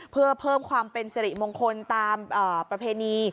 เพื่อเพิ่มความเป็นสิริมงคลตามประเพณี